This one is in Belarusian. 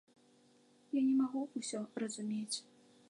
Я не магу ўсё разумець.